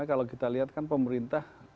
kalau kita lihat kan pemerintah